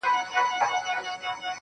خوني خنجر نه دى چي څوك يې پـټ كــړي.